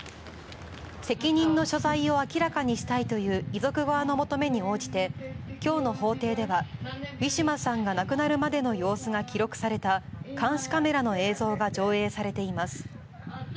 責任の所在を明らかにしたいという遺族側の求めに応じて今日の法廷ではウィシュマさんが亡くなるまでの様子が記録された監視カメラの映像が上映されています。